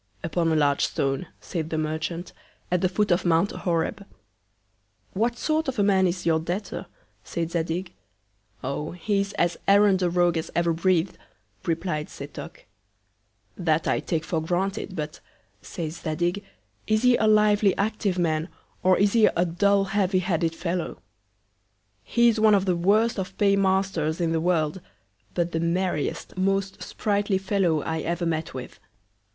Upon a large Stone, said the Merchant, at the Foot of Mount Horeb. What sort of a Man is your Debtor, said Zadig? Oh! he is as errand a Rogue as ever breath'd, reply'd Setoc. That I take for granted; but, says Zadig, is he a lively, active Man, or is he a dull heavy headed Fellow? He is one of the worst of Pay masters in the World, but the merriest, most sprightly Fellow I ever met with.